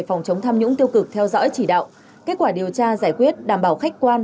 phòng chống tham nhũng tiêu cực theo dõi chỉ đạo kết quả điều tra giải quyết đảm bảo khách quan